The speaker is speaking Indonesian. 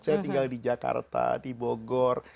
saya tinggal di jakarta di bogor